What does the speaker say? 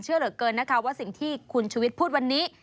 เชื่อเหลือเกินนะคะว่าสิ่งที่คุณชุวิตพูดวันนี้